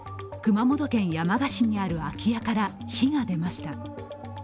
熊本県山鹿市にある空き家から火が出ました。